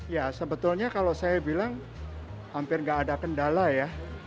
ya sebetulnya kalau saya bilang hampir nggak ada kendala ya